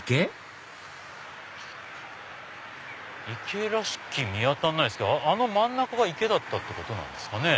池見当たらないけど真ん中が池だったってことなんですかね。